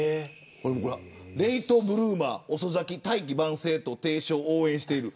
レイトブルーマー遅咲き、大器晩成と提唱をしている。